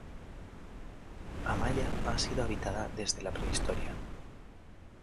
Amaya ha sido habitada desde la Prehistoria.